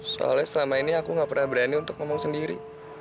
soalnya selama ini aku gak pernah berani untuk ngomong sendiri